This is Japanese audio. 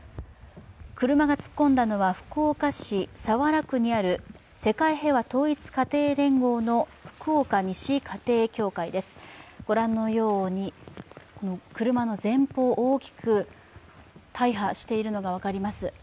車が突っ込んだのは福岡市早良区にある世界平和統一家庭連合の福岡西家庭教会です、ご覧のように車の前方、大きく大破しているのが分かります。